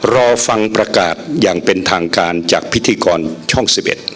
รอฟังประกาศอย่างเป็นทางการจากพิธีกรช่อง๑๑